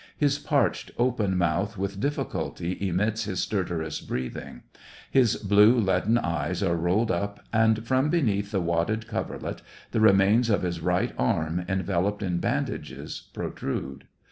His parched, open mouth with diffi culty emits his stertorous breathing ; his blue, leaden eyes are rolled up, and from beneath the wadded coverlet the remains of his right arm, enveloped in bandages, protrude.